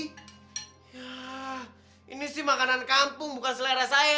ini sih makanan kampung bukan selera saya